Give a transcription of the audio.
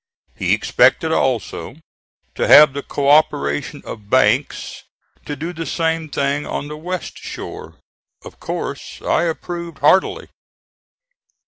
He expected also to have the co operation of Banks to do the same thing on the west shore. Of course I approved heartily.